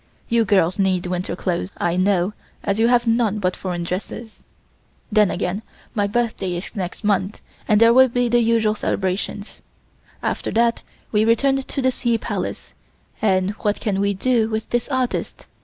You girls need winter clothes I know as you have none but foreign dresses. Then, again, my birthday is next month and there will be the usual celebrations. After that we return to the Sea Palace, and what can we do with this artist?